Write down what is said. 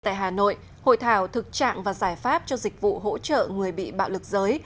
tại hà nội hội thảo thực trạng và giải pháp cho dịch vụ hỗ trợ người bị bạo lực giới